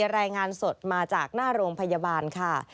รายงานสดมาจากหน้าโรงพยาบาลค่ะ